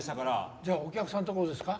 じゃあお客さんって事ですか？